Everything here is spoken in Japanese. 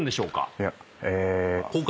いやえ。